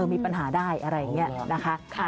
มีปัญหาได้อะไรอย่างนี้นะคะ